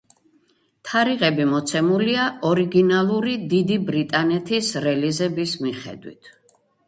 თარიღები მოცემულია ორიგინალური დიდი ბრიტანეთის რელიზების მიხედვით.